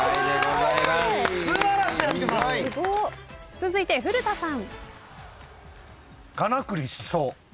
続いて古田さん。